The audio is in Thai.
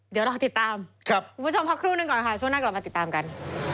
เดี๋ยวรอติดตามคุณผู้ชมพักครู่หนึ่งก่อนค่ะช่วงหน้ากลับมาติดตามกัน